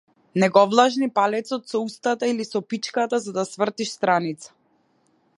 Не го влажни палецот со устата или со пичката за да свртиш страница.